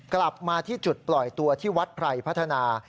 กลับมาที่จุดปล่อยตัวที่วัดไพรพัฒนา